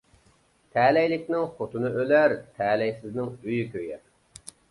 تەلەيلىكنىڭ خوتۇنى ئۆلەر، تەلەيسىزنىڭ ئۆيى كۆيەر.